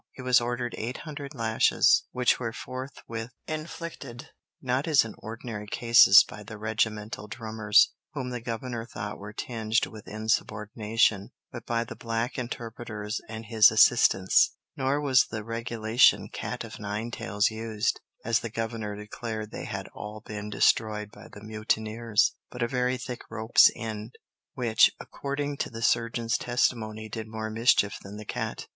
He was ordered eight hundred lashes, which were forthwith inflicted, not as in ordinary cases by the regimental drummers, whom the governor thought were tinged with insubordination, but by the black interpreters and his assistants; nor was the regulation cat of nine tails used, as the governor declared they had all been destroyed by the mutineers, but a very thick rope's end, which, according to the surgeon's testimony, did more mischief than the cat.